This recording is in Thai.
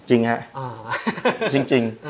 จริงครับจริง